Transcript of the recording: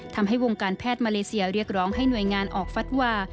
ทำให้วงการแพทย์มาเลเซียเรียกร้องให้หน่วยงานออกฟัดวา